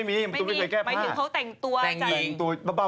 มันจะได้ได้